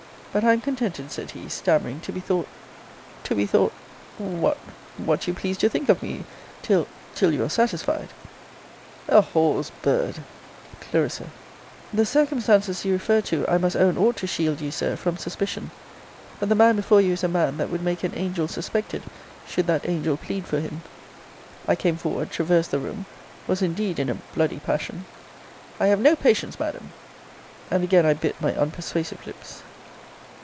But I am contented, said he, stammering, to be thought to be thought what what you please to think of me till, till, you are satisfied A whore's bird! Cl. The circumstances you refer to, I must own ought to shield you, Sir, from suspicion; but the man before you is a man that would make an angel suspected, should that angel plead for him. I came forward, traversed the room, was indeed in a bl dy passion. I have no patience, Madam! and again I bit my unpersuasive lips.